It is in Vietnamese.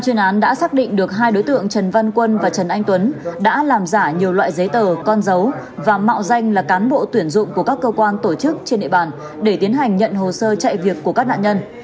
các đối tượng trần văn quân và trần anh tuấn đã làm giả nhiều loại giấy tờ con dấu và mạo danh là cán bộ tuyển dụng của các cơ quan tổ chức trên địa bàn để tiến hành nhận hồ sơ chạy việc của các nạn nhân